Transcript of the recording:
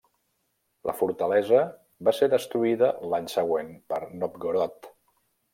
La fortalesa va ser destruïda l'any següent per Novgorod.